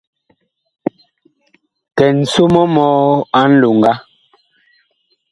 Kɛn so mɔ mɔɔ a nlonga.